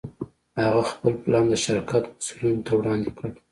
هغه خپل پلان د شرکت مسوولينو ته وړاندې کړ.